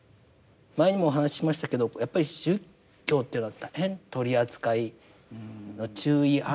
前にもお話ししましたけどやっぱり宗教っていうのは大変取り扱いの注意案件です。